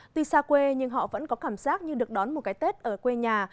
tuy xa quê nhưng họ vẫn có cảm giác như được đón một cái tết ở quê nhà